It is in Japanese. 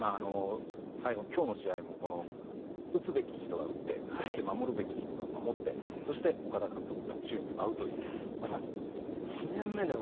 最後、今日の試合も打つべき人が打ってそして、守るべき人が守ってそして、岡田監督が宙に舞うという、まさに。